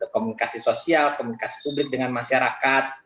komunikasi sosial komunikasi publik dengan masyarakat